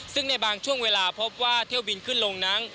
ซึ่งในบางช่วงเวลาพบว่าเที่ยวบินขึ้นลงนั้น